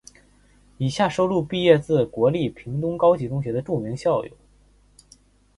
以下收录毕业自国立屏东高级中学之著名校友。